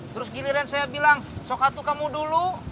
terus giliran saya bilang sok atu kamu dulu